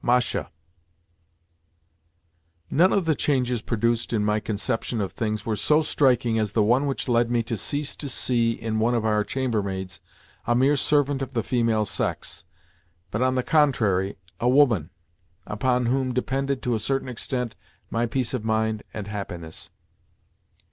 MASHA None of the changes produced in my conception of things were so striking as the one which led me to cease to see in one of our chambermaids a mere servant of the female sex, but, on the contrary, a woman upon whom depended, to a certain extent, my peace of mind and happiness.